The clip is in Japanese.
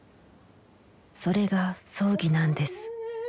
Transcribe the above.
それが葬儀なんです」。